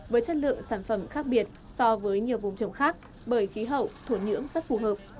với chất lượng sản phẩm khác biệt so với nhiều vùng trồng khác bởi khí hậu thổ nhưỡng rất phù hợp